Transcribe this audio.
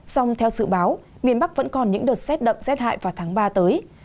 song theo sự báo miền bắc vẫn còn những đợt xét đậm xét hại vào tháng ba tới